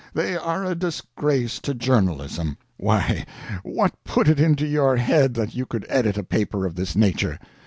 They are a disgrace to journalism. Why, what put it into your head that you could edit a paper of this nature?